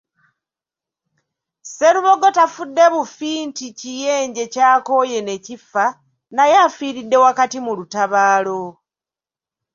Sserubogo tafudde bufi nti kiyenje kyakooye ne kifa naye afiiridde wakati mu lutabaalo.